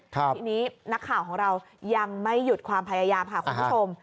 ทีนี้นักข่าวของเรายังไม่หยุดความพยายามค่ะคุณผู้ชม